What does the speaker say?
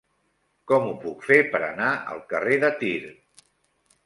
Com ho puc fer per anar al carrer de Tir?